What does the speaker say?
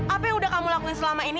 apa yang udah kamu lakuin selama ini